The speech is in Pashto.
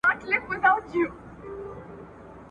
هر یو سیوری د رباب نغمې ته دام سو!.